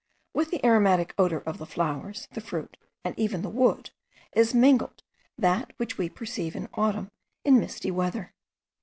With the aromatic odour of the flowers, the fruit, and even the wood, is mingled that which we perceive in autumn in misty weather.